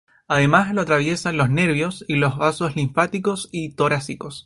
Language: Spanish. Además lo atraviesan los nervios y los vasos linfáticos y torácicos.